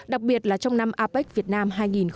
đặc biệt là trong năm apec việt nam hai nghìn một mươi bảy